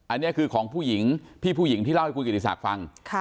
อันนี้คือของผู้หญิงพี่ผู้หญิงที่เล่าให้คุณกิติศักดิ์ฟัง